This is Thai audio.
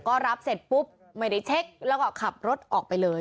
ก็รับเสร็จปุ๊บไม่ได้เช็คแล้วก็ขับรถออกไปเลย